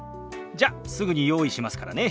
じゃすぐに用意しますからね。